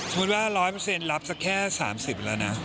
สมมุติว่า๑๐๐รับสักแค่๓๐แล้วนะ